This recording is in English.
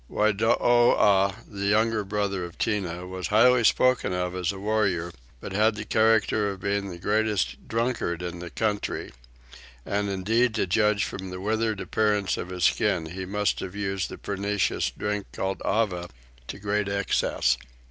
Whydooah, the younger brother of Tinah, was highly spoken of as a warrior but had the character of being the greatest drunkard in the country; and indeed to judge from the withered appearance of his skin he must have used the pernicious drink called ava to great excess.